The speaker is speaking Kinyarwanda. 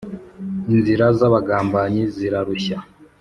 inzira z’abagambanyi zirarushya